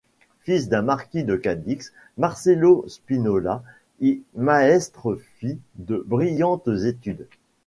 Fils d'un marquis de Cadix, Marcelo Spínola y Maestre fit de brillantes études.